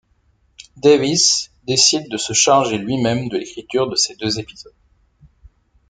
Davies décide de se charger lui-même de l'écriture de ces deux épisodes.